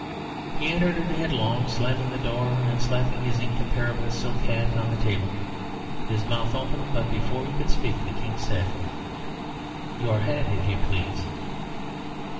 He entered it headlong, slamming the door, and slapping his incomparable silk hat on the table. His mouth opened, but before he could speak, the King said "Your hat, if you please."